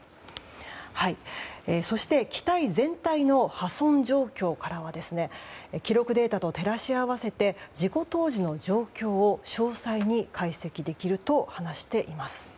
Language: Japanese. そして機体全体の破損状況からは記録データと照らし合わせて事故当時の状況を詳細に解析できると話しています。